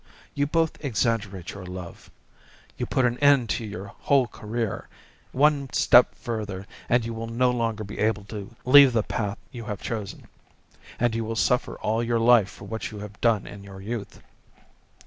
You both exaggerate your love. You put an end to your whole career. One step further, and you will no longer be able to leave the path you have chosen, and you will suffer all your life for what you have done in your youth.